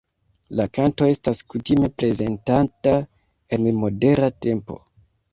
La kanto estas kutime prezentata en modera tempo.